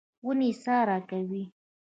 ونې سا راکوي.